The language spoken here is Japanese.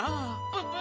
ププ！